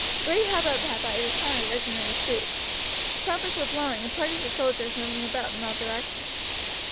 A great hubbub had by this time arisen in the street. Trumpets were blowing, and parties of soldiers moving about in all directions.